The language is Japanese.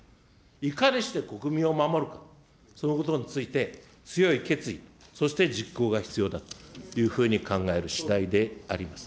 いかにして国民を守るか、そのことについて強い決意、そして実行が必要だというふうに考えるしだいであります。